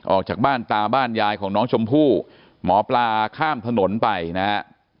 ออกจากบ้านตาบ้านยายของน้องชมพู่หมอปลาข้ามถนนไปนะฮะ